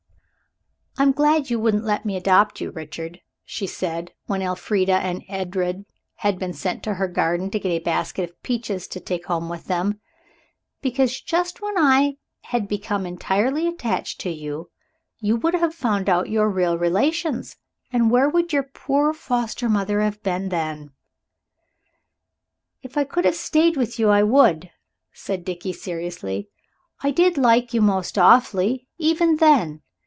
"I'm glad you wouldn't let me adopt you, Richard," she said, when Elfrida and Edred had been sent to her garden to get a basket of peaches to take home with them, "because just when I had become entirely attached to you, you would have found out your real relations, and where would your poor foster mother have been then?" "If I could have stayed with you I would," said Dickie seriously. "I did like you most awfully, even then.